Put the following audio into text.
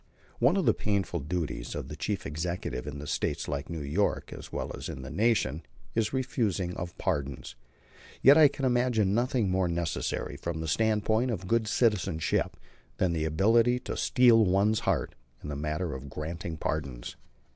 One of the painful duties of the chief executive in States like New York, as well as in the Nation, is the refusing of pardons. Yet I can imagine nothing more necessary from the standpoint of good citizenship than the ability to steel one's heart in this matter of granting pardons.